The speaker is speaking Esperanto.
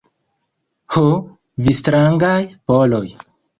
Ho, vi strangaj Poloj!